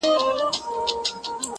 o لنده ژبه هري خوا ته اوړي.